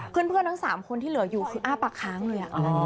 เพื่อนทั้ง๓คนที่เหลืออยู่คืออ้าปากค้างเลย